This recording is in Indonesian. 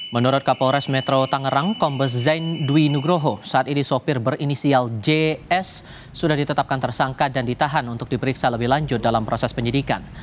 menurut kapolres metro tangerang kombes zain dwi nugroho saat ini sopir berinisial js sudah ditetapkan tersangka dan ditahan untuk diperiksa lebih lanjut dalam proses penyidikan